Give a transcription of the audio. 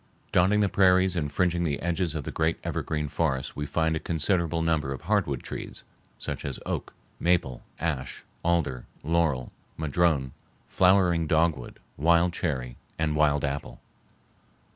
Dotting the prairies and fringing the edges of the great evergreen forests we find a considerable number of hardwood trees, such as the oak, maple, ash, alder, laurel, madrone, flowering dogwood, wild cherry, and wild apple.